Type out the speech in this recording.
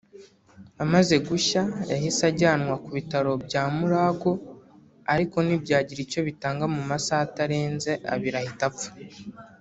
Amaze gushya yahise ajyanwa ku bitaro bya Mulago ariko ntibyagira icyo bitanga mu masaha atarenze abiri ahita apfa